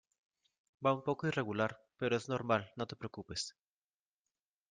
va un poco irregular, pero es normal. no te preocupes .